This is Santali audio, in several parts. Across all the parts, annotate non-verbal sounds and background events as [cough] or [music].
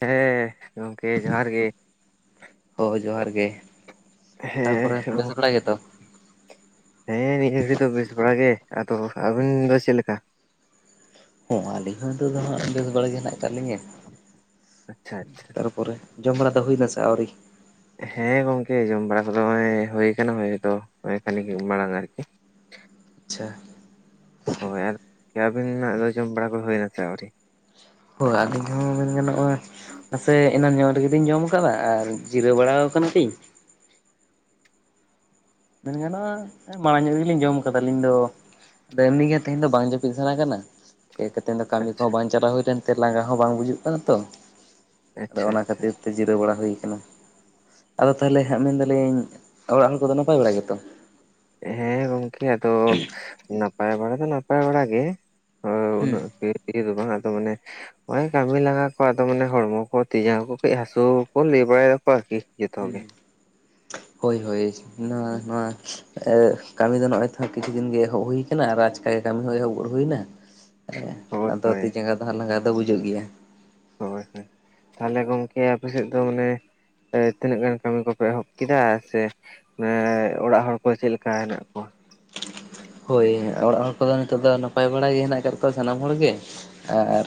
ᱦᱮᱸ ᱜᱚᱝᱠᱮ ᱡᱚᱦᱟᱨ ᱜᱮ? ᱦᱳᱭ ᱡᱚᱦᱟᱨ ᱜᱮ ᱦᱮᱸ ᱛᱟᱨᱯᱚᱨᱮ ᱵᱮᱥ ᱵᱟᱲᱟᱭ ᱜᱮᱛᱚ? ᱦᱮᱸ ᱱᱤᱭᱟᱹ ᱜᱷᱟᱹᱲᱤᱡ ᱫᱚ ᱵᱮᱥ ᱵᱟᱲᱟ ᱜᱮ ᱟᱫᱚ ᱟᱹᱵᱤᱱ ᱫᱚ ᱪᱮᱫ ᱞᱮᱠᱟ ᱦᱚᱸ ᱟᱹᱞᱤᱧ ᱦᱚᱸ ᱱᱤᱛᱚ ᱫᱚ ᱦᱜ ᱵᱮᱥ ᱵᱟᱲᱟ ᱜᱮ ᱦᱮᱱᱟᱜ ᱟᱠᱟᱫ ᱞᱤᱧᱟᱹ᱾ ᱟᱪᱪᱷᱟ ᱟᱪᱪᱷᱟ᱾ ᱯᱚᱨᱮ ᱡᱚᱢ ᱵᱟᱲᱟ ᱫᱚ ᱦᱩᱭᱱᱟ ᱥᱮ ᱟᱹᱣᱨᱤ? ᱦᱮᱸ ᱜᱚᱝᱠᱮ ᱡᱚᱢ ᱵᱟᱲᱟ ᱠᱚᱫᱚ ᱦᱩᱭ ᱟᱠᱟᱱᱟ ᱦᱩᱭᱛᱚ ᱦᱩᱭ ᱫᱚ ᱟᱠᱷᱟᱱᱮᱠ ᱢᱟᱲᱟᱝ ᱟᱨᱠᱤ᱾ ᱟᱪᱪᱷᱟ ᱦᱳᱭ ᱟᱹᱵᱤᱱᱟᱜ ᱫᱚ ᱡᱚᱢ ᱵᱟᱲᱟ ᱠᱚ ᱥᱮ ᱟᱹᱣᱨᱤ? ᱦᱳᱭ ᱟᱹᱞᱤᱧ ᱦᱚᱸ ᱢᱮᱱ ᱜᱟᱱᱚᱜᱼᱟ ᱢᱟᱥᱮ ᱮᱱᱟᱱ ᱧᱚᱜ ᱨᱮᱜ ᱛᱤᱧ ᱡᱚᱢ ᱟᱠᱟᱫᱟᱼᱟ ᱟᱨ ᱡᱤᱨᱟᱹᱣ ᱵᱟᱲᱟ ᱟᱠᱟᱱᱟ ᱛᱤᱧ ᱢᱮᱱ ᱜᱟᱱᱚᱜᱼᱟ ᱢᱟᱲᱟᱝ ᱧᱚᱜ ᱨᱮᱜᱮᱞᱤᱧ ᱡᱚᱢ ᱠᱟᱫᱟ ᱟᱹᱞᱤᱧ ᱫᱚ᱾ ᱮᱢᱱᱤ ᱜᱮ ᱛᱮᱦᱧ ᱫᱚ ᱵᱟᱝ ᱡᱟᱹᱯᱤᱫ ᱥᱟᱱᱟ ᱠᱟᱱᱟ᱾ ᱦᱮᱡ ᱠᱟᱛᱮ ᱫᱚ ᱠᱟᱹᱢᱤ ᱠᱚᱦᱚᱸ ᱟᱪᱪᱷᱟ ᱵᱟᱝ ᱪᱟᱞᱟᱣ ᱦᱩᱭ ᱞᱮᱱᱛᱮ ᱞᱟᱸᱜᱟ ᱦᱚᱸ ᱵᱟᱝ ᱵᱩᱡᱩᱜ ᱠᱟᱱᱟ ᱛᱚ, ᱟᱫᱚ ᱟᱪᱪᱷᱟ ᱚᱱᱟ ᱟᱪᱪᱷᱟ ᱠᱷᱟᱹᱛᱤᱨ᱾ ᱡᱤᱨᱟᱹᱣ ᱵᱟᱲᱟ ᱦᱩᱭ ᱟᱠᱟᱱᱟ ᱟᱫᱚ ᱛᱟᱦᱚᱞᱮ ᱦᱟᱸᱜ ᱢᱮᱱᱫᱟᱞᱤᱧ ᱚᱲᱟᱜ ᱦᱚᱲ ᱠᱚᱫᱚ ᱱᱟᱯᱟᱭ ᱵᱟᱲᱟ ᱜᱮᱛᱚ? ᱦᱮᱸ ᱜᱚᱝᱠᱮ ᱟᱫᱚ ᱱᱟᱯᱟᱭ ᱵᱟᱲᱟ ᱫᱚ ᱱᱟᱯᱟᱭ ᱵᱟᱲ ᱜᱮ᱾ ᱦᱚᱭ ᱦᱩᱸ ᱩᱱᱟᱹᱜ ᱤᱭᱟᱹ ᱫᱚ ᱵᱟᱝᱟ ᱟᱫᱚ ᱢᱟᱱᱮ ᱦᱳᱭ ᱠᱟᱹᱢᱤ ᱞᱟᱸᱜᱟ ᱠᱚ ᱟᱫᱚ ᱢᱟᱱᱮ ᱦᱚᱲᱢᱚ ᱠᱚ ᱛᱤᱡᱟᱸᱜᱟ ᱠᱚ ᱠᱟᱹᱡ ᱦᱟᱹᱥᱩ ᱠᱚ ᱞᱟᱹᱭ ᱵᱟᱲᱟᱭ ᱫᱟᱠᱚᱣᱟ ᱟᱨᱠᱤ᱾ ᱡᱚᱛᱚ ᱦᱮ ᱜᱮ ᱦᱳᱭ ᱦᱳᱭ ᱱᱚᱣᱟ ᱱᱚᱣᱟ ᱮ ᱠᱟᱹᱢᱤ ᱫᱚ ᱱᱚᱜᱼᱚᱭ ᱛᱚᱦᱟᱸᱜ ᱠᱤᱪᱷᱩ ᱫᱤᱱ ᱜᱮ ᱮᱦᱚᱵ ᱦᱩᱭ ᱟᱠᱟᱱᱟ, ᱟᱨ ᱟᱪᱠᱟ ᱜᱮ ᱠᱟᱹᱢᱤ ᱦᱚᱸ ᱮᱦᱚᱵ ᱜᱚᱫ ᱦᱩᱭᱱᱟ᱾ ᱦᱳᱭ ᱟᱫᱚ ᱦᱳᱭ ᱛᱤ ᱡᱟᱸᱜᱟ ᱫᱚ ᱦᱟᱸᱜ ᱞᱟᱸᱜᱟ ᱫᱚ ᱵᱩᱡᱩᱜ ᱜᱮᱭᱟ᱾ ᱦᱳᱭ ᱦᱳᱭ ᱛᱟᱦᱞᱮ ᱜᱚᱢᱠᱮ ᱟᱯᱮᱥᱮᱫ ᱫᱚ ᱢᱟᱱᱮ ᱮᱸ ᱛᱤᱱᱟᱹᱜ ᱜᱟᱱ ᱠᱟᱹᱢᱤ ᱠᱚᱯᱮ ᱮᱦᱚᱵ ᱠᱮᱫᱟ ᱥᱮ᱾ ᱮ ᱚᱲᱟᱜ ᱦᱚᱲ ᱪᱮᱫ ᱞᱮᱠᱟ ᱦᱮᱱᱟᱜ ᱠᱚᱣᱟ? ᱦᱳᱭ ᱚᱲᱟᱜ ᱦᱚᱲ ᱠᱚᱫᱚ ᱱᱤᱛᱚᱜ ᱫᱚ ᱱᱟᱯᱟᱭ ᱵᱟᱲᱟ ᱜᱮ ᱦᱮᱱᱟᱜ ᱟᱠᱟᱫ ᱠᱚᱣᱟ ᱥᱟᱱᱟᱢ ᱦᱚᱲᱜᱮ ᱟᱨ᱾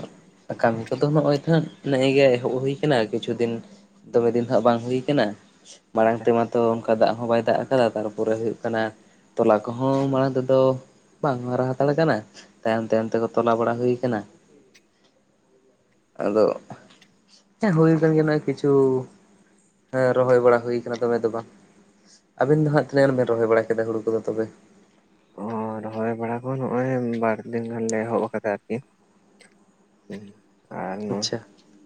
ᱠᱟᱹᱢᱤ ᱠᱚᱫᱚ ᱱᱚᱜᱼ ᱚᱭ ᱛᱚ ᱦᱟᱜ ᱱᱮᱜᱼ ᱮ ᱜᱮ ᱮᱦᱚᱵ ᱦᱩᱭ ᱟᱠᱟᱱᱟ ᱠᱤᱪᱷᱩ ᱫᱤᱱ᱾ ᱫᱚᱢᱮ ᱫᱤᱱ ᱦᱟᱜ ᱵᱟᱝ ᱦᱩᱭ ᱠᱟᱱᱟ᱾ ᱢᱟᱲᱟᱝ ᱛᱮᱢᱟᱛᱚ ᱚᱱᱠᱟ ᱫᱟᱜ ᱦᱚᱸ ᱵᱟᱭ ᱫᱟᱜ ᱟᱠᱟᱫᱟ ᱛᱟᱨᱯᱚᱨᱮ ᱦᱩᱭᱩᱜ ᱠᱟᱱᱟ ᱛᱚᱞᱟ ᱠᱚᱦᱚᱸ ᱢᱟᱲᱟᱝ ᱫᱚ ᱛᱚ ᱵᱟᱝ ᱦᱟᱨᱟ ᱦᱟᱛᱟᱲ ᱠᱟᱱᱟ, ᱛᱟᱭᱚᱢ ᱛᱟᱭᱚᱢ ᱛᱮᱜᱮ ᱛᱚᱞᱟ ᱵᱟᱲᱟ ᱦᱩᱭ ᱟᱠᱟᱱᱟ᱾ ᱟᱫᱚ ᱦᱩᱭ ᱟᱠᱟᱱ ᱜᱮᱭᱟ ᱱᱚᱜᱼᱚᱭ ᱠᱤᱪᱷᱩ ᱨᱚᱦᱚᱭ ᱵᱟᱲᱟ ᱦᱩᱭ ᱠᱟᱱᱟ ᱫᱚᱢᱮ ᱫᱚ ᱵᱟᱝ᱾ ᱟᱵᱮᱱ ᱫᱚ ᱦᱟᱜ ᱛᱤᱱᱟᱹᱜ ᱜᱟᱱ ᱵᱮᱱ ᱨᱚᱦᱚᱭ ᱵᱟᱲᱟ ᱠᱮᱫᱟ ᱦᱩᱲᱩ ᱠᱚᱫᱚ ᱛᱚᱵᱮ? ᱚ ᱨᱚᱦᱚᱭ ᱵᱟᱲᱟ ᱠᱚ ᱱᱚᱜᱼᱚᱭ ᱵᱟᱨᱫᱤᱱ ᱜᱟᱱᱞᱮ ᱮᱦᱚᱵ ᱟᱠᱟᱫᱟ ᱟᱨᱠᱤ᱾ ᱟᱪᱪᱷᱟ [unintelligible]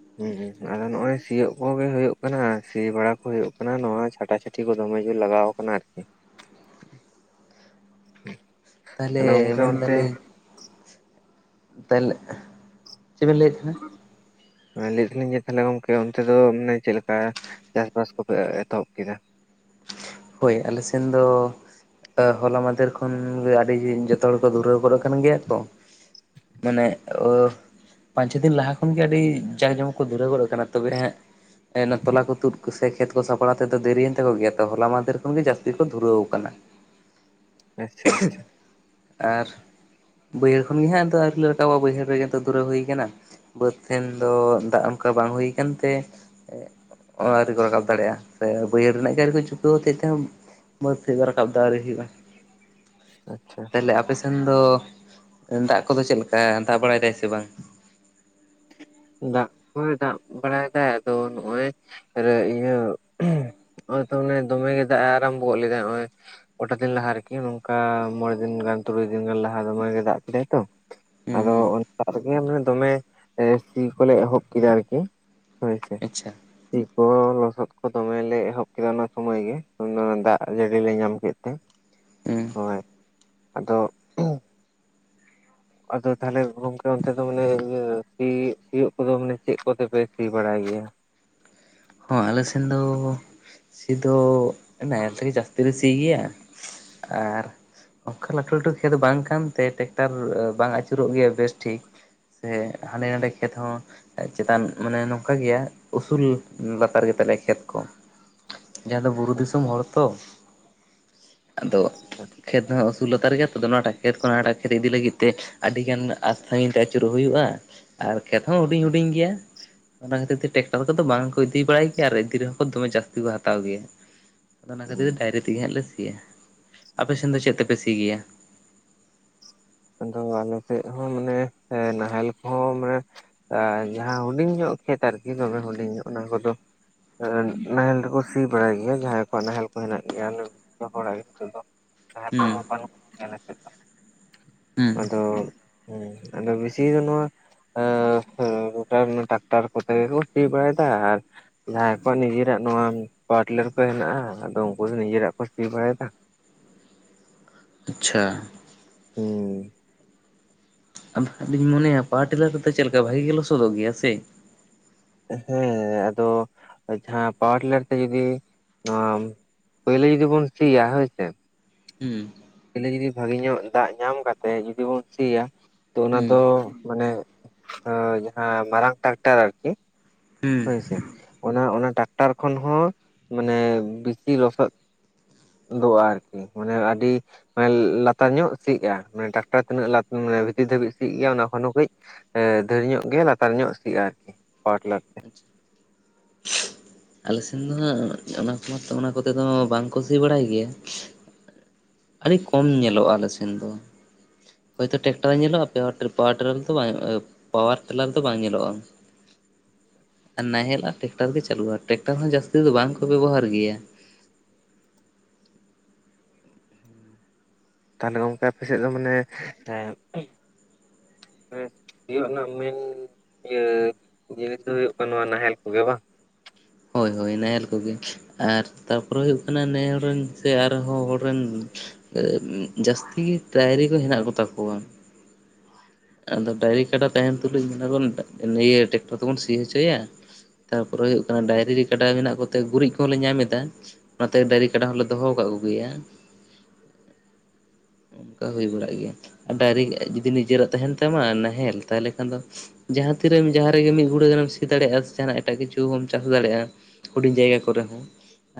ᱦᱩ ᱟᱫᱚ ᱱᱚᱜ ᱚᱚᱭ ᱥᱤᱭᱚᱜ ᱠᱚᱜᱮ ᱦᱩᱭᱩᱜ ᱠᱟᱱᱟ ᱥᱤ ᱵᱟᱲᱟ ᱠᱚ ᱦᱩᱭᱩᱜ ᱠᱟᱱᱟ ᱱᱚᱣᱟ ᱪᱷᱟᱴᱟ ᱪᱷᱟᱴᱤ ᱦᱚᱛᱤ ᱠᱚ ᱫᱚᱢᱮ ᱡᱳᱨ ᱞᱟᱜᱟᱣ ᱟᱠᱟᱱᱟ ᱟᱨᱠᱤ᱾ [unintelligible] ᱛᱟᱦᱚᱞᱮ ᱛᱟᱦᱞᱮ ᱜᱚᱝᱠᱮ ᱢᱮᱱ ᱚᱱᱛᱮ ᱫᱟᱞᱤᱧ ᱛᱟᱦᱞᱮ ᱪᱮᱫ ᱵᱤᱱ ᱞᱟᱹᱭᱮᱫ ᱛᱟᱦᱮᱱᱟ? ᱞᱟᱹᱭᱮᱫ ᱛᱟᱦᱮᱱᱤᱧ ᱡᱮ ᱛᱟᱦᱞᱮ ᱜᱚᱝᱠᱮ ᱚᱱᱛᱮ ᱫᱚ ᱢᱟᱱᱮ ᱪᱮᱫᱞᱮᱠᱟ? ᱪᱟᱥᱵᱟᱥ ᱠᱚᱯᱮ ᱮᱛᱚᱦᱚᱵᱽ ᱠᱮᱫᱟ? ᱦᱳᱭ ᱟᱞᱮ ᱥᱮᱱ ᱫᱚ ᱦᱚᱞᱟ ᱢᱟᱫᱷᱮᱨ ᱠᱷᱚᱱ ᱜᱮ ᱟᱹᱰᱤ ᱡᱚᱛᱚ ᱦᱚᱲ ᱠᱚ ᱫᱷᱩᱨᱟᱹᱣ ᱜᱚᱫ ᱟᱠᱟᱱ ᱜᱮᱭᱟ ᱛᱚ᱾ ᱢᱟᱱᱮ ᱚ, ᱯᱟᱸᱪ ᱪᱷᱚ ᱫᱤᱱ ᱞᱟᱦᱟ ᱠᱷᱚᱱ ᱜᱮ ᱟᱹᱰᱤ ᱡᱟᱠ ᱡᱚᱢᱚᱠ ᱠᱚ ᱫᱷᱩᱨᱟᱹᱣ ᱜᱚᱫ ᱟᱠᱟᱱᱟ ᱛᱚᱵᱮ ᱦᱟᱸᱜ ᱛᱚᱞᱟ ᱠᱚ ᱛᱩᱫ ᱠᱚ ᱥᱮ ᱠᱷᱮᱛ ᱠᱚ ᱥᱟᱯᱲᱟᱣ ᱛᱮᱫᱚ ᱫᱮᱨᱤᱭᱮᱱ ᱛᱟᱠᱚ ᱜᱮᱭᱟ ᱛᱚ ᱦᱚᱞᱟ ᱢᱟ ᱥᱮ ᱨᱚᱠᱚᱢ ᱜᱮ ᱡᱟᱹᱥᱛᱤ ᱠᱚ ᱫᱷᱩᱨᱟᱹᱣ ᱟᱠᱟᱱᱟ᱾ ᱟᱪᱪᱷᱟ ᱟᱪᱪᱷᱟ᱾ ᱟᱨ ᱵᱟᱹᱭᱦᱟᱹᱲ ᱠᱷᱚᱱᱜᱮ ᱦᱟᱸᱜ ᱟᱫᱚ ᱟᱹᱣᱨᱤ ᱞᱮ ᱨᱟᱠᱟᱵᱟ ᱵᱟᱹᱭᱦᱟᱹᱲ ᱨᱮᱜᱮ ᱛᱚ ᱫᱷᱩᱨᱟᱹᱣ ᱦᱩᱭ ᱠᱟᱱᱟ᱾ ᱵᱟᱹᱫᱽ ᱥᱮᱱ ᱫᱚ ᱫᱟᱜ ᱚᱱᱠᱟ ᱵᱟᱝ ᱦᱩᱭ ᱠᱟᱱ ᱛᱮ ᱟᱹᱣᱨᱤ ᱠᱚ ᱨᱟᱠᱟᱵᱽ ᱫᱟᱲᱮᱭᱟᱜᱼᱟ, ᱥᱮ ᱵᱟᱹᱭᱦᱟᱹᱲ ᱨᱮᱱᱟᱜ ᱜᱮ ᱟᱹᱨᱤ ᱠᱚ ᱪᱩᱯ [unintelligible] ᱵᱟᱹᱫᱽ ᱛᱮ ᱨᱟᱠᱟᱵᱽ ᱫᱚ ᱟᱣᱨᱤ ᱦᱩᱭᱩᱜᱼᱟ, ᱟᱪᱪᱷᱟ᱾ ᱛᱟᱦᱞᱮ ᱟᱯᱮᱥᱮᱱ ᱫᱚ ᱫᱟᱜ ᱠᱚᱫᱚ ᱪᱮᱫ ᱞᱮᱠᱟ ᱫᱟᱜ ᱵᱟᱲᱟᱭ ᱫᱟᱭ ᱥᱮ ᱵᱟᱝ? ᱫᱟᱜ ᱠᱚᱭ ᱫᱟᱜ ᱵᱟᱲᱟᱭ ᱫᱟᱭ ᱟᱫᱚ ᱱᱚᱜᱼᱚᱭ᱾ ᱟᱨ ᱤᱭᱟᱹ ᱱᱚᱜᱼᱚᱭ ᱛᱚ ᱢᱟᱱᱮ ᱫᱚᱢᱮ ᱜᱮ ᱫᱟᱜ ᱮ ᱟᱨᱟᱢᱵᱚ ᱞᱮᱫᱟ ᱱᱚᱜᱼᱚᱭ᱾ ᱠᱚᱴᱟ ᱫᱤᱱ ᱞᱟᱦᱟ ᱟᱨᱠᱤ ᱱᱚᱝᱠᱟ ᱢᱚᱬᱮ ᱫᱤᱱ ᱜᱟᱱ ᱛᱩᱨᱩᱭ ᱫᱤᱱ ᱜᱟᱱ ᱞᱟᱦᱟ ᱫᱚᱢᱮ ᱫᱟᱜ ᱠᱮᱫᱟᱭ ᱛᱚ᱾ ᱦᱩᱸ ᱟᱫᱚ ᱦᱩᱸ ᱚᱱᱠᱟ ᱨᱮᱜᱮ ᱢᱟᱱᱮ ᱫᱚᱢᱮ ᱥᱤ ᱠᱚᱞᱮ ᱮᱦᱚᱵᱽ ᱠᱮᱫᱟ ᱟᱨᱠᱤ᱾ ᱦᱳᱭ ᱥᱮ᱾ ᱟᱪᱪᱷᱟ ᱥᱤ ᱠᱚ ᱞᱚᱥᱚᱫ ᱠᱚ ᱫᱚᱢᱮᱞᱮ ᱮᱦᱚᱵᱽ ᱠᱮᱫᱟ ᱚᱱᱟ ᱥᱢᱚᱭ ᱜᱮ ᱚᱱᱟ ᱫᱟᱜ ᱡᱟᱹᱲᱤ ᱞᱮ ᱧᱟᱢ ᱠᱮᱫ ᱛᱮ᱾ ᱩᱸ, ᱦᱚᱭ ᱟᱫᱚ ᱟᱫᱚ ᱛᱟᱦᱚᱞᱮ ᱜᱚᱝᱠᱮ ᱚᱱᱛᱮ ᱫᱚ ᱢᱟᱱᱮ ᱤᱭᱟᱹ ᱥᱤ ᱥᱤᱭᱳᱜ ᱠᱚᱫᱚ ᱢᱟᱱᱮ ᱪᱮᱫ ᱠᱚᱛᱮᱯᱮ ᱥᱤ ᱵᱟᱲᱟᱭ ᱜᱮᱭᱟ? ᱦᱚᱸ ᱟᱞᱮ ᱥᱮᱱ ᱫᱚ ᱥᱤ ᱫᱚ ᱱᱟᱦᱮᱞ ᱛᱮᱜᱮ ᱡᱟᱹᱥᱛᱤ ᱞᱮ ᱥᱤ ᱜᱮᱭᱟ᱾ ᱟᱨ, ᱚᱝᱠᱟ ᱞᱟᱹᱴᱩ ᱞᱟᱹᱴᱩ ᱠᱷᱮᱛ ᱵᱟᱝ ᱠᱟᱱᱛᱮ ᱴᱮᱠᱴᱟᱨ ᱵᱟᱝ ᱟᱹᱪᱩᱨᱚᱜ ᱜᱮᱭᱟ ᱵᱮᱥ ᱴᱷᱤᱠ᱾ ᱥᱮ ᱦᱟᱸᱰᱮ ᱱᱟᱸᱰᱮ ᱠᱷᱮᱛ ᱦᱚᱸ ᱪᱮᱛᱟᱱ ᱢᱟᱱᱮ ᱱᱚᱝᱠᱟ ᱜᱮᱭᱟ ᱩᱥᱩᱞ ᱞᱟᱛᱟᱨ ᱜᱮ ᱛᱟᱞᱮᱭᱟ ᱠᱷᱮᱛ ᱠᱚ ᱡᱟᱦᱟᱸ ᱫᱚ ᱵᱩᱨᱩ ᱫᱤᱥᱚᱢ ᱟᱪᱪᱷᱟ ᱦᱚᱲ ᱛᱚ᱾ ᱟᱫᱚ ᱟᱪᱪᱷᱟ ᱠᱷᱮᱛ ᱦᱚᱸ ᱥᱳᱞ ᱞᱛᱟᱨ ᱜᱮᱭᱟ ᱛᱚ ᱱᱚᱣᱟ ᱴᱟᱜ ᱠᱷᱮᱛ ᱠᱷᱚᱱ ᱦᱟᱱᱟᱴᱟᱜ ᱠᱷᱮᱛ ᱤᱫᱤ ᱞᱟᱹᱜᱤᱫ ᱛᱮ ᱟᱹᱰᱤ ᱜᱟᱱ ᱟᱥ ᱥᱟᱺᱜᱤᱧ ᱛᱮ ᱟᱹᱪᱩᱨᱚᱜ ᱦᱩᱭᱩᱜᱼᱟ᱾ ᱟᱨ ᱠᱷᱮᱛ ᱦᱚᱸ ᱦᱩᱰᱤᱧ ᱦᱩᱰᱤᱧ ᱜᱮᱭᱟ ᱚᱱᱟ ᱠᱷᱟᱹᱛᱤᱨ ᱛᱮ ᱴᱮᱠᱴᱟᱨ ᱠᱚᱫᱚ ᱵᱟᱝ ᱤᱫᱤ ᱵᱟᱲᱟᱭ ᱜᱮᱭᱟ ᱟᱨ ᱤᱫᱤ ᱨᱮᱦᱚᱸ ᱠᱚ ᱫᱚᱢᱮ ᱡᱟᱹᱥᱛᱤ ᱠᱚ ᱦᱟᱛᱟᱣ ᱜᱮᱭᱟ᱾ ᱟᱫᱚ ᱚᱱᱟ ᱦᱩᱸ᱾ ᱠᱷᱟᱹᱛᱤᱨ ᱛᱮ ᱰᱟᱭᱨᱤ ᱛᱮᱜᱮ ᱦᱟᱸᱜ ᱞᱮ ᱥᱤᱭᱟ, ᱟᱯᱮ ᱥᱮᱱ ᱫᱚ ᱪᱮᱫ ᱛᱮᱯᱮ ᱥᱤ ᱜᱮᱭᱟ? ᱟᱫᱚ ᱟᱞᱮ ᱥᱮᱫ ᱦᱚᱸ ᱢᱟᱱᱮ ᱮᱸ ᱱᱟᱦᱮᱞ ᱠᱚᱦᱚᱸ ᱢᱟᱱᱮ ᱟᱨ ᱡᱟᱦᱟᱸ ᱦᱩᱰᱤᱧ ᱧᱚᱜ ᱠᱷᱮᱛ ᱟᱨᱠᱤ ᱫᱚᱢᱮ ᱦᱩᱰᱤᱧ ᱚᱱᱟ ᱠᱚᱫᱚ ᱱᱟᱦᱮᱞ ᱛᱮᱠᱚ ᱥᱤ ᱵᱟᱲᱟᱭ ᱜᱮᱭᱟ ᱡᱟᱦᱟᱸᱭ ᱠᱚᱣᱟᱜ ᱱᱟᱦᱮᱞ ᱠᱚ ᱦᱮᱱᱟᱜ ᱜᱮᱭᱟ᱾ ᱡᱚᱛᱚ ᱯᱟᱲᱟ ᱜᱮ ᱱᱤᱛᱚᱜ ᱫᱚ ᱱᱟᱦᱮᱞ ᱦᱩᱸ ᱠᱚᱦᱚᱸ ᱵᱟᱱᱩᱜ ᱟᱞᱮ ᱥᱮᱫ ᱫᱚ᱾ ᱦᱩᱸ ᱟᱫᱚ ᱦᱩᱸ ᱟᱫᱚ ᱵᱮᱥᱤ ᱫᱚ ᱱᱚᱣᱟ, ᱮᱸᱻ ᱜᱚᱴᱟ ᱚᱱᱟ ᱴᱟᱠᱴᱟᱨ ᱠᱚᱛᱮ ᱜᱮᱠᱚ ᱥᱤ ᱵᱟᱲᱟᱭᱮᱫᱟ ᱟᱨ ᱡᱟᱦᱟᱸᱭ ᱠᱚᱣᱟᱜ ᱱᱤᱡᱮᱨᱟ ᱱᱚᱣᱟ ᱯᱟᱣᱟᱨᱴᱤᱞᱟᱨ ᱠᱚ ᱦᱮᱱᱟᱜᱼᱟ, ᱟᱫᱚ ᱩᱱᱠᱩ ᱫᱚ ᱱᱤᱡᱮᱨᱟᱜ ᱠᱚ ᱥᱤ ᱵᱟᱲᱟᱭᱮᱫᱟ᱾ ᱟᱪᱪᱷᱟ᱾ ᱦᱩᱸ ᱾ ᱟᱫᱚᱜ ᱦᱟᱸᱜ ᱞᱤᱧ ᱢᱚᱱᱮᱭᱟ ᱯᱟᱣᱟᱨ ᱴᱤᱞᱟᱹᱨ ᱠᱚᱛᱮ ᱪᱮᱞᱠᱟ ᱵᱷᱟᱜᱤ ᱜᱮ ᱞᱚᱥᱚᱫᱚᱜ ᱜᱮᱭᱟ ᱥᱮ? ᱦᱮᱸ ᱟᱫᱚ ᱡᱟᱦᱟᱸ ᱯᱟᱣᱟᱨᱴᱤᱞᱟᱨ ᱛᱮ ᱡᱩᱫᱤ ᱱᱚᱣᱟ ᱯᱳᱭᱞᱳ ᱡᱩᱫᱤ ᱵᱚᱱ ᱥᱤᱭᱟ ᱦᱳᱭ ᱥᱮ, ᱦᱩᱸ ᱯᱩᱭᱞᱩ ᱡᱩᱫᱤ ᱵᱷᱟᱜᱤ ᱧᱚᱜ ᱫᱟᱜ ᱧᱟᱢ ᱠᱟᱛᱮᱜ ᱡᱩᱫᱤ ᱵᱚᱱ ᱥᱤᱭᱟ ᱛᱚ ᱚᱱᱟ ᱦᱩᱸ ᱫᱚ ᱢᱟᱱᱮ ᱟᱸ ᱡᱟᱦᱟᱸ ᱢᱟᱨᱟᱝ ᱴᱨᱟᱠᱴᱟᱨ ᱟᱨᱠᱤ ᱦᱩᱸ ᱦᱳᱭᱥᱮ, ᱚᱱᱟ ᱚᱱᱟ ᱴᱟᱠᱴᱟᱨ ᱠᱷᱚᱱ ᱦᱚᱸ ᱢᱟᱱᱮ ᱵᱤᱥᱤ ᱞᱚᱥᱚᱫ ᱫᱚᱜ-ᱟ ᱟᱨᱠᱤ ᱢᱟᱱᱮ ᱟᱹᱰᱤ ᱢᱟᱱᱮ ᱞᱟᱛᱟᱨ ᱧᱚᱜ ᱥᱤᱜ-ᱟ ᱢᱟᱱᱮ ᱴᱟᱠᱴᱟᱨ ᱛᱤᱱᱟᱹᱜ ᱞᱟᱛ ᱵᱷᱤᱛᱤᱨ ᱫᱷᱟᱹᱵᱤᱡ ᱥᱤᱜ ᱜᱮᱭᱟ ᱚᱱᱟ ᱠᱷᱚᱱ ᱦᱚᱸ ᱠᱟᱹᱡ ᱮᱸ ᱫᱷᱮᱨ ᱧᱚᱜ ᱜᱮ ᱞᱟᱛᱟᱨ ᱧᱚᱜ ᱥᱤᱜᱼᱟ ᱟᱨᱠᱤ ᱯᱟᱣᱟᱨᱴᱤᱞᱟᱹᱨ ᱛᱮ ᱾ ᱟᱞᱮ ᱥᱮᱱ ᱫᱚ ᱦᱟᱸᱜ ᱚᱱᱟ ᱠᱚᱢᱟ ᱛᱚ ᱚᱱᱟ ᱠᱚᱛᱮ ᱫᱚ ᱵᱟᱝ ᱠᱚ ᱥᱤ ᱵᱟᱲᱟᱭ ᱜᱮᱭᱟ ᱾ ᱟᱹᱰᱤ ᱠᱚᱢ ᱧᱮᱞᱚᱜᱼᱟ ᱟᱞᱮ ᱥᱮᱱ ᱫᱚ ᱾ ᱦᱚᱭᱛᱚ ᱴᱠᱴᱟᱨ ᱧᱮᱞᱚᱜᱼᱟ [unintelligible] ᱯᱟᱣᱟᱨ ᱴᱮᱞᱟᱨ ᱫᱚ ᱵᱟᱝ ᱯᱟᱣᱟᱨ ᱴᱮᱞᱟᱨ ᱫᱚ ᱵᱟᱝ ᱧᱮᱞᱚᱜᱼᱟ ᱾ ᱱᱟᱦᱮᱞ ᱟᱨ ᱴᱮᱠᱴᱟᱨ ᱜᱮ ᱪᱟᱹᱞᱩᱜᱼᱟ, ᱴᱮᱠᱴᱟᱨ ᱦᱚᱸ ᱡᱟᱹᱥᱛᱤ ᱫᱚ ᱵᱟᱝ ᱠᱚ ᱵᱮᱵᱚᱦᱟᱨ ᱜᱮᱭᱟ ᱾ ᱛᱟᱦᱚᱞᱮ ᱜᱚᱝᱠᱮ ᱟᱯᱮ ᱥᱮᱫ ᱫᱚ ᱢᱟᱱᱮ ᱮᱸ [unintelligible] ᱥᱤᱭᱳᱜ ᱨᱮᱱᱟᱜ ᱢᱮᱱ ᱤᱭᱟᱹ ᱡᱤᱱᱤᱥ ᱫᱚ ᱦᱩᱭᱩᱜ ᱠᱟᱱᱟ ᱱᱚᱣᱟ ᱱᱟᱦᱮᱞ ᱠᱚᱜᱮ ᱵᱟᱝ? ᱦᱳᱭ ᱦᱳᱭ ᱱᱟᱦᱮᱞ ᱠᱚᱜᱮ ᱾ ᱟᱨ ᱛᱟᱯᱚᱨᱮ ᱦᱩᱭᱩᱜ ᱠᱟᱱᱟ ᱱᱮᱦᱚᱲ ᱨᱮᱱ ᱥᱮ ᱟᱨᱦᱚᱸ ᱦᱚᱲ ᱨᱮᱱ ᱡᱟᱥᱛᱤ ᱰᱟᱭᱨᱤ ᱠᱚ ᱦᱮᱱᱟᱜ ᱠᱚ ᱛᱟᱠᱚᱣᱭᱟ ᱾ ᱟᱫᱚ ᱰᱟᱭᱨᱤ ᱠᱟᱰᱟ ᱛᱟᱦᱮᱱ ᱛᱩᱞᱩᱡ ᱢᱮᱱᱟ ᱵᱚᱱ ᱱᱤᱭᱟᱹ ᱴᱮᱠᱴᱚᱨ ᱛᱮᱵᱚᱱ ᱥᱤ ᱦᱚᱪᱚᱭᱟ ᱾ ᱛᱟᱨᱯᱚᱨᱮ ᱦᱩᱭᱩᱜ ᱠᱟᱱᱟ ᱰᱟᱭᱨᱤ ᱨᱮ ᱠᱟᱰᱟ ᱢᱮᱱᱟᱜ ᱠᱚᱛᱮ ᱜᱩᱨᱤᱡ ᱠᱚᱦᱚᱸᱞᱮ ᱧᱟᱢ ᱮᱫᱟ ᱾ ᱚᱱᱟᱛᱮ ᱰᱟᱝᱨᱤ ᱠᱟᱰᱟ ᱦᱚᱸᱞᱮ ᱫᱚᱦᱚ ᱠᱟᱜ ᱠᱚᱜᱮᱭᱟ ᱾ ᱚᱝᱠᱟ ᱦᱩᱭ ᱵᱟᱲᱟᱜ ᱜᱮᱭᱟ ᱟᱨ ᱰᱟᱭᱨᱤ ᱡᱩᱫᱤ ᱱᱤᱡᱮᱨᱟᱜ ᱛᱟᱦᱮᱱ ᱛᱟᱢᱟ ᱱᱟᱦᱮᱞ ᱛᱟᱦᱚᱞᱮ ᱠᱷᱟᱱ ᱫᱚ ᱡᱟᱦᱟᱸ ᱛᱤᱨᱮᱢ ᱡᱟᱦᱟᱸ ᱨᱮᱜᱮ ᱢᱤᱫ ᱜᱷᱩᱲᱟᱹ ᱜᱟᱱᱮᱢ ᱥᱤ ᱫᱟᱲᱮᱜᱼᱟ, ᱥᱮ ᱡᱟᱦᱟᱱᱟᱜ ᱮᱴᱟᱜ ᱠᱤᱪᱷᱩ ᱦᱚᱢ ᱪᱟᱥ ᱫᱟᱲᱮᱜᱼᱟ ᱾ ᱦᱩᱰᱤᱧ ᱡᱟᱭᱜᱟ ᱠᱚᱨᱮ ᱦᱚᱸ,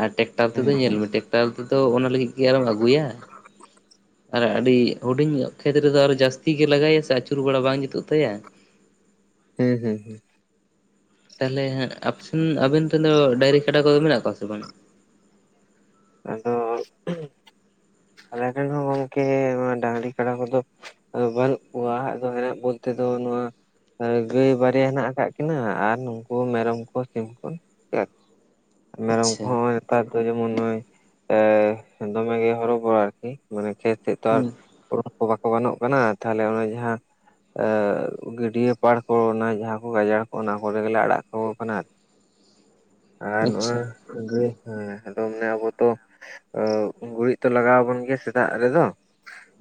ᱟᱨ ᱴᱮᱠᱴᱟᱨ ᱦᱩᱸ ᱛᱮᱫᱚ ᱧᱮᱞ ᱢᱮ ᱴᱮᱠ ᱴᱟᱨ ᱛᱮᱫᱚ ᱚᱱᱟ ᱞᱟᱹᱜᱤᱫ ᱠᱤ ᱟᱨᱚᱢ ᱟᱹᱜᱩᱭᱟ? ᱟᱨ ᱟᱹᱰᱤ ᱦᱩᱰᱤᱧ ᱧᱚᱜ ᱠᱷᱮᱛ ᱨᱮᱫᱚ ᱟᱨ ᱡᱟᱹᱥᱛᱤ ᱜᱮ ᱞᱟᱜᱟᱭᱟ ᱥᱮ ᱟᱹᱪᱩᱨ ᱵᱟᱲᱟ ᱵᱟᱝ ᱡᱩᱛᱩᱜ ᱛᱟᱭᱟ ᱾ ᱦᱮᱸ ᱦᱮᱸ ᱦᱮᱸ ᱾ ᱛᱟᱦᱚᱞᱮ ᱦᱟᱸᱜ ᱟᱯᱮ ᱥᱮᱱ ᱟᱵᱮᱱ ᱨᱮᱱ ᱫᱚ ᱰᱟᱝᱨᱤ ᱠᱟᱰᱟ ᱠᱚᱫᱚ ᱢᱮᱱᱟᱜ ᱠᱚᱣᱟ ᱥᱮ ᱵᱟᱝᱟ? ᱟᱫᱚ ᱟᱞᱮ ᱨᱮᱱ ᱦᱚᱸ ᱜᱚᱝᱠᱮ ᱱᱚᱣᱟ ᱰᱟᱹᱝᱨᱤ ᱠᱟᱰᱟ ᱠᱚᱫᱚ ᱟᱫᱚ ᱵᱟᱹᱱᱩᱜ ᱠᱚᱣᱟ ᱟᱫᱚ ᱦᱮᱱᱟᱜ ᱵᱚᱞᱛᱮ ᱫᱚ ᱱᱚᱣᱟ ᱦᱳᱭ ᱜᱟᱹᱭ ᱵᱟᱨᱭᱟ ᱦᱮᱱᱟᱜ ᱟᱠᱟᱫ ᱠᱤᱱᱟᱹ ᱟᱨ ᱱᱩᱠᱩ ᱢᱮᱨᱚᱢ ᱠᱚ ᱥᱤᱢ ᱠᱚ ᱜᱮ ᱾ ᱢᱮᱨᱚᱢ ᱟᱪᱪᱷᱟ ᱠᱚᱦᱚᱸ ᱦᱚᱸᱜᱼᱚᱭ ᱱᱮᱛᱟᱨ ᱫᱚ ᱡᱮᱢᱚᱱ ᱱᱚᱜᱼᱚᱭ ᱮᱸ ᱫᱚᱢᱮ ᱜᱮ ᱦᱚᱨᱚᱵᱚᱨᱚ ᱟᱨᱠᱤ ᱢᱟᱱᱮ ᱠᱷᱮᱛ ᱥᱮᱫ ᱫᱚ ᱟᱨ [inaudible] ᱚᱲᱚᱠ ᱠᱚ ᱵᱟᱠᱚ ᱜᱟᱱᱚᱜ ᱠᱟᱱᱟ ᱛᱟᱦᱚᱞᱮ ᱚᱱᱮ ᱡᱟᱦᱟᱸ ᱮᱸ ᱜᱟᱹᱰᱭᱟᱹ ᱯᱟᱲ ᱠᱚ ᱚᱱᱟ ᱡᱟᱦᱟᱸ ᱠᱚ ᱜᱟᱡᱟᱲ ᱠᱚ ᱚᱱᱟ ᱠᱚᱨᱮ ᱜᱮᱞᱮ ᱟᱲᱟᱜ ᱠᱟᱠᱚ ᱠᱟᱱᱟ ᱟᱨ ᱾ ᱟᱨ ᱱᱚᱜ-ᱚᱭ ᱟᱪᱪᱷᱟ ᱜᱟᱹᱭ ᱦᱮᱸ ᱟᱫᱚ ᱢᱟᱱᱮ ᱟᱵᱚ ᱛᱚ ᱮᱸ ᱜᱩᱨᱤᱡ ᱛᱚ ᱞᱟᱜᱟᱣ ᱟᱵᱚᱱ ᱜᱮᱭᱟ ᱥᱮᱛᱟᱜ ᱨᱮᱫᱚ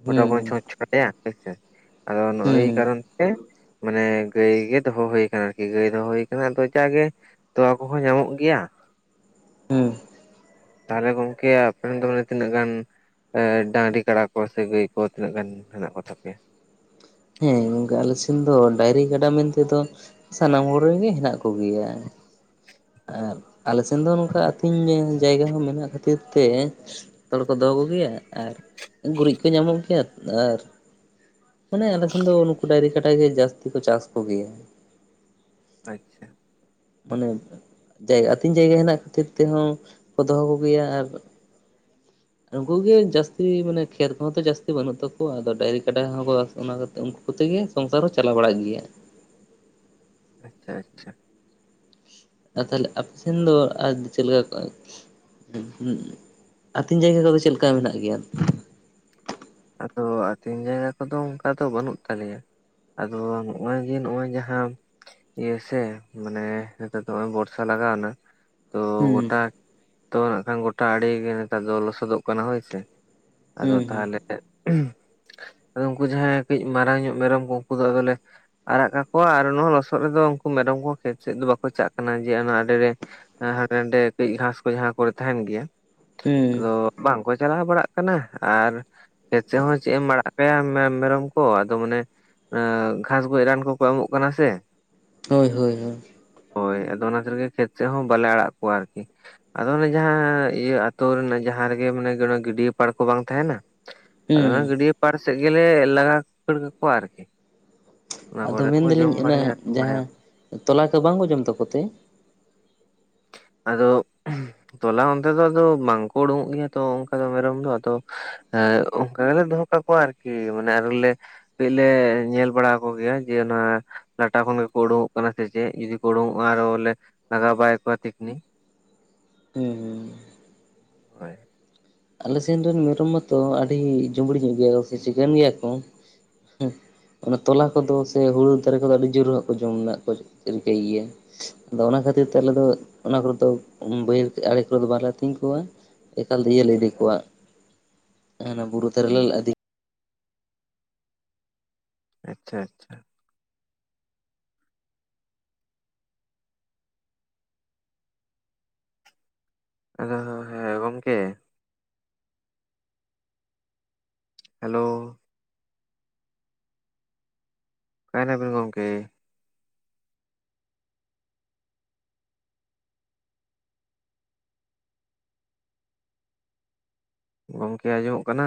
ᱜᱚᱴᱟ ᱵᱚᱱ ᱦᱩᱸ ᱪᱷᱚᱸᱪ ᱲᱟᱭᱟ ᱦᱮᱸᱥᱮ, ᱟᱫᱚ ᱮᱭ ᱦᱩᱸ ᱠᱟᱨᱚᱱ ᱛᱮ ᱢᱟᱱᱮ ᱜᱟᱹᱭ ᱜᱮ ᱫᱚᱦᱚᱸ ᱦᱩᱭ ᱟᱠᱟᱱᱟ ᱟᱨᱠᱤ ᱜᱟᱹᱭ ᱫᱚᱦᱚᱸ ᱦᱩᱭ ᱟᱠᱟᱱᱟ ᱟᱫᱚ ᱡᱟ-ᱜᱮ ᱛᱚᱣᱟ ᱠᱚᱦᱚᱸ ᱧᱟᱢᱚᱜ ᱜᱮᱭᱟ ᱾ ᱦᱩᱸ ᱾ ᱛᱟᱦᱚᱞᱮ ᱜᱚᱝᱠᱮ ᱟᱯᱮ ᱨᱮᱱ ᱫᱚ ᱢᱟᱱᱮ ᱛᱤᱱᱟᱹᱜ ᱜᱟᱱ ᱮ ᱰᱟᱝᱨᱤ ᱠᱟᱰᱟ ᱠᱚ, ᱥᱮ ᱜᱟᱹᱭ ᱠᱚ ᱛᱤᱱᱟᱹᱜ ᱜᱟᱱ ᱦᱮᱱᱟᱜ ᱠᱚ ᱛᱟᱯᱮᱭᱟ? ᱦᱮᱸ ᱜᱚᱝᱠᱮ ᱟᱞᱮ ᱥᱮᱱ ᱫᱚ ᱰᱟᱹᱝᱨᱤ ᱜᱟᱰᱟ ᱢᱮᱱ ᱛᱮᱫᱚ ᱥᱟᱱᱟᱢ ᱠᱚᱨᱮᱱ ᱜᱮ ᱦᱮᱱᱟᱜ ᱠᱚᱜᱮᱭᱟ᱾ ᱟᱨ ᱟᱞᱮ ᱥᱮᱱ ᱫᱚ ᱱᱚᱝᱠᱟ ᱟᱹᱛᱤᱧ ᱡᱟᱭᱜᱟ ᱦᱚᱸ ᱢᱮᱱᱟᱜ ᱠᱷᱟᱹᱛᱤᱨ ᱛᱮ ᱛᱚ ᱦᱚᱲ ᱠᱚ ᱫᱚᱦᱚ ᱠᱚᱜᱮᱭᱟ ᱟᱨ ᱜᱩᱨᱤᱡ ᱠᱚ ᱧᱟᱢᱚᱜ ᱜᱮᱭᱟ ᱟᱨ ᱢᱟᱱᱮ ᱟᱞᱮ ᱥᱮᱱ ᱫᱚ ᱱᱩᱠᱩ ᱰᱟᱹᱝᱨᱤ ᱠᱟᱰᱟ ᱜᱮ ᱡᱟᱹᱥᱛᱤ ᱠᱚ ᱪᱟᱥ ᱠᱚ ᱜᱮᱭᱟ᱾ ᱟᱪᱪᱷᱟ᱾ ᱢᱟᱱᱮ ᱡᱟᱭᱜᱟ ᱟᱹᱛᱤᱧ ᱡᱟᱭᱜᱟ ᱦᱮᱱᱟᱜ ᱠᱷᱟᱹᱛᱤᱨ ᱛᱮᱦᱚᱸ ᱠᱚ ᱫᱚᱦᱚ ᱠᱚ ᱜᱮᱭᱟ ᱟᱨ [inaudible] ᱩᱱᱠᱩ ᱜᱮ ᱡᱟᱹᱥᱛᱤ ᱢᱟᱱᱮ ᱠᱷᱮᱛ ᱠᱚᱦᱚᱸ ᱛᱚ ᱡᱟᱹᱥᱛᱤ ᱵᱟᱹᱱᱩᱜ ᱛᱟᱠᱚᱣᱟ᱾ ᱟᱫᱚ ᱰᱟᱹᱝᱨᱤ ᱠᱟᱰᱟ ᱦᱚᱸᱠᱚ ᱚᱱᱟ ᱠᱟᱛᱮ ᱩᱱᱠᱩ ᱠᱚᱛᱮ ᱜᱮ ᱥᱚᱝᱥᱟᱨ ᱦᱚᱸ ᱪᱟᱞᱟᱣ ᱵᱟᱲᱟᱜ ᱜᱮᱭᱟ᱾ ᱟᱪᱪᱷᱟ ᱟᱪᱪᱷᱟ᱾ ᱟᱨ ᱛᱟᱦᱚᱞᱮ ᱟᱯᱮ ᱥᱮᱱ ᱫᱚ ᱟᱨ ᱪᱮᱫ ᱞᱮᱠᱟ ᱠᱚ ᱩᱸᱜ ᱦᱩᱸ ᱟᱹᱛᱤᱧ ᱡᱟᱭᱜᱟ ᱠᱚᱫᱚ ᱪᱮᱫ ᱞᱮᱠᱟ ᱢᱮᱱᱟᱜ ᱜᱮᱭᱟ? ᱟᱫᱚ ᱟᱹᱛᱤᱧ ᱡᱟᱭᱜᱟ ᱫᱚ ᱚᱱᱠᱟ ᱫᱚ ᱵᱟᱹᱱᱩᱜ ᱛᱟᱞᱮᱭᱟ᱾ ᱟᱫᱚ ᱱᱚᱜ-ᱚᱭ ᱡᱮ ᱱᱚᱜ-ᱚᱭ ᱡᱟᱦᱟᱸ ᱤᱭᱟᱹ ᱥᱮ ᱢᱟᱱᱮ ᱱᱤᱛᱚᱜ ᱫᱚ ᱦᱚᱸᱜ-ᱚᱭ ᱵᱚᱨᱥᱟ ᱞᱟᱜᱟᱣᱱᱟ᱾ ᱛᱚ ᱦᱩᱸ ᱜᱚᱴᱟ ᱛᱚ ᱱᱟᱜᱠᱷᱟᱱ ᱜᱚᱴᱟ ᱟᱲᱮ ᱜᱮ ᱱᱮᱛᱟᱨ ᱫᱚ ᱞᱚᱥᱚᱫᱚᱜ ᱠᱟᱱᱟ ᱦᱳᱭᱥᱮ᱾ ᱟᱫᱚ ᱦᱩᱸ ᱦᱩᱸ ᱛᱟᱦᱚᱞᱮ ᱟᱫᱚ ᱩᱱᱠᱩ ᱡᱟᱦᱟᱸᱭ ᱠᱟᱹᱡ ᱢᱟᱨᱟᱝ ᱧᱚᱜ ᱢᱮᱨᱚᱢ ᱠᱚ ᱩᱱᱠᱩ ᱫᱚ ᱟᱫᱚᱞᱮ ᱟᱨᱟᱜ ᱠᱟᱠᱚᱣᱟ ᱟᱨ ᱱᱚᱣᱟ ᱦᱚ ᱞᱚᱥᱚᱫ ᱨᱮᱫᱚ ᱩᱱᱠᱩ ᱢᱮᱨᱚᱢ ᱠᱚᱦᱚ ᱠᱷᱮᱛ ᱥᱮᱫ ᱫᱚ ᱵᱟᱠᱚ ᱪᱟᱜ ᱠᱟᱱᱟ ᱡᱮ ᱚᱱᱟ ᱟᱰᱮᱨᱮ ᱦᱟᱸᱰᱮ ᱱᱟᱰᱮ ᱠᱟᱹᱡ ᱜᱷᱟᱸᱥ ᱠᱚ ᱡᱟᱦᱟᱸ ᱠᱚᱨᱮ ᱛᱟᱦᱮᱱ ᱜᱮᱭᱟ᱾ ᱦᱩᱸ ᱟᱫᱚ ᱵᱟᱝᱠᱚ ᱪᱟᱞᱟᱣ ᱵᱟᱲᱟᱜ ᱠᱟᱱᱟ ᱟᱨ ᱠᱷᱮᱛ ᱥᱮᱫ ᱦᱚᱸ ᱪᱮᱫ ᱮᱢ ᱟᱲᱟᱜ ᱠᱟᱛᱷᱟ ᱢᱮ ᱢᱮᱨᱚᱢ ᱠᱚ ᱟᱫᱚ ᱢᱟᱱᱮ ᱮᱸ ᱜᱷᱟᱥ ᱜᱚᱡ ᱨᱟᱱ ᱠᱚᱠᱚ ᱮᱢᱚᱜ ᱠᱟᱱᱟ ᱥᱮ᱾ ᱦᱳᱭ ᱦᱳᱭ ᱦᱳᱭ᱾ ᱦᱳᱭ ᱟᱫᱚ ᱚᱱᱟ ᱠᱷᱟᱛᱤᱨ ᱜᱮ ᱠᱷᱮᱛ ᱥᱮᱫ ᱦᱚᱸ ᱵᱟᱞᱮ ᱟᱲᱟᱜ ᱠᱚᱣᱟ ᱟᱨᱠᱤ᱾ ᱟᱫᱚ ᱚᱱᱮ ᱡᱟᱦᱟᱸ ᱤᱭᱟᱹ ᱟᱛᱳ ᱨᱮᱱᱟᱜ ᱡᱟᱦᱟᱸ ᱨᱮᱜᱮ ᱢᱟᱱᱮ ᱜᱮ ᱟᱱᱟ ᱜᱤᱰᱭᱟᱹ ᱯᱟᱲ ᱠᱚ ᱵᱟᱝ ᱛᱟᱦᱮᱱᱟ᱾ ᱟᱫᱚ ᱦᱩᱸ ᱚᱱᱟ ᱜᱟᱹᱰᱭᱟᱹ ᱯᱟᱲ ᱥᱮᱫ ᱜᱮᱞᱮ ᱞᱟᱜᱟ ᱠᱷᱟᱹᱲ ᱠᱟᱠᱚᱣᱟ ᱟᱨᱠᱤ᱾ ᱚᱱᱟ ᱟᱫᱚ ᱠᱚᱨᱮ ᱠᱚ ᱡᱚᱢ ᱢᱮᱱᱫᱟᱞᱤᱧ ᱚᱱᱟᱹ ᱵᱟᱲᱟᱭᱟ ᱟᱹᱛᱤᱧ ᱡᱟᱦᱟᱸ ᱵᱟᱲᱟᱭᱟᱠᱚ ᱛᱚᱞᱟ ᱠᱚ ᱵᱟᱝᱠᱚ ᱡᱚᱢ ᱛᱟᱠᱚ ᱛᱮ? ᱟᱫᱚ ᱛᱚᱞᱟ ᱚᱱᱛᱮ ᱫᱚ ᱟᱫᱚ ᱵᱟᱝᱠᱚ ᱩᱰᱩᱠᱚᱜ ᱜᱮᱭᱟ ᱛᱚ ᱚᱱᱠᱟ ᱫᱚ ᱢᱮᱨᱚᱢ ᱫᱚ ᱟᱫᱚ ᱦᱮᱸ ᱚᱝᱠᱟ ᱜᱮᱞᱮ ᱫᱚᱦᱚ ᱠᱟᱠᱚᱣᱟ ᱟᱨᱠᱤ᱾ ᱢᱟᱱᱮ ᱟᱨᱤᱞᱮ ᱠᱟᱹᱡ ᱞᱮ ᱧᱮᱞ ᱵᱟᱲᱟ ᱟᱠᱚ ᱜᱮᱭᱟ ᱡᱮ ᱚᱱᱟ ᱞᱟᱴᱟ ᱠᱷᱚᱱ ᱜᱮᱠᱚ ᱩᱰᱩᱜᱚᱸᱜ ᱠᱟᱱᱟ ᱥᱮ ᱪᱮᱜ, ᱡᱩᱫᱤ ᱠᱚ ᱩᱰᱩᱝᱚᱜ-ᱟ ᱟᱨᱚ ᱞᱮ ᱞᱟᱜᱟ ᱵᱟᱭ ᱠᱚᱣᱟ ᱛᱤᱠᱷᱱᱤ᱾ ᱦᱩᱸ ᱦᱩᱸ ᱦᱳᱭ᱾ ᱟᱞᱮ ᱥᱮᱱ ᱫᱚ ᱢᱮᱨᱚᱢ ᱢᱟᱛᱚ ᱟᱹᱰᱤ ᱡᱩᱵᱽᱲᱤ ᱧᱚᱸᱜ ᱜᱮᱭᱟ ᱠᱚ ᱥᱮ ᱪᱤᱠᱟᱹᱱ ᱜᱮᱭᱟ ᱠᱚ ᱦᱩᱸ᱾ ᱚᱱᱟ ᱛᱚᱞᱟ ᱠᱚ ᱫᱚ ᱥᱮ ᱦᱩᱲᱩ ᱫᱟᱨᱮ ᱠᱚᱫᱚ ᱟᱹᱰᱤ ᱡᱳᱨ ᱦᱟᱸᱜ ᱠᱚ ᱡᱚᱢ ᱱᱟᱜ ᱠᱚ ᱨᱤᱠᱟᱹᱭ ᱜᱤᱭᱟ᱾ ᱟᱫᱚ ᱚᱱᱟ ᱠᱷᱟᱹᱛᱤᱨ ᱛᱮ ᱟᱞᱮ ᱫᱚ ᱚᱱᱟ ᱠᱚᱨᱮ ᱫᱚ ᱵᱟᱹᱭᱦᱟᱹᱲ ᱟᱲᱮ ᱠᱚᱨᱮ ᱫᱚ ᱵᱟᱝᱞᱮ ᱟᱛᱤᱧ ᱠᱚᱣᱟ᱾ ᱮᱠᱟᱞ ᱛᱮ ᱤᱭᱟᱹ ᱞᱮ ᱤᱫᱤ ᱠᱚᱣᱟ ᱦᱟᱸᱱᱟ ᱵᱩᱨᱩ ᱫᱷᱟᱨᱮ ᱞᱮᱞ ᱟᱫᱤ ᱟᱪᱪᱷᱟ ᱟᱪᱪᱷᱟ᱾ ᱟᱫᱚ ᱦᱳᱭ ᱦᱮᱸ ᱜᱚᱢᱠᱮ᱾ ᱦᱮᱞᱳ᱾ ᱟᱠᱟᱭ ᱱᱟᱵᱤᱱ ᱜᱚᱝᱠᱮ? ᱜᱚᱝᱠᱮ ᱟᱸᱡᱚᱢᱚᱜ ᱠᱟᱱᱟ?